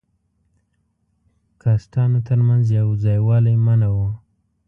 کاسټانو تر منځ یو ځای والی منع وو.